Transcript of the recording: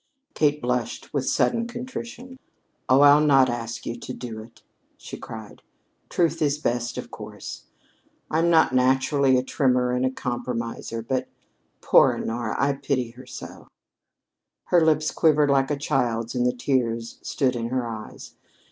Kate blushed with sudden contrition. "Oh, I'll not ask you to do it!" she cried. "Truth is best, of course. I'm not naturally a trimmer and a compromiser but, poor Honora! I pity her so!" Her lips quivered like a child's and the tears stood in her eyes.